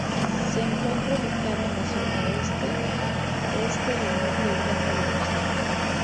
Se encuentra ubicada en la zona oeste este del núcleo urbano de Lucerna.